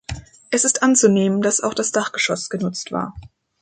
Es ist anzunehmen, dass auch das Dachgeschoß genutzt war.